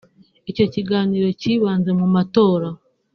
Icyo kiganiro cyibanze ku matora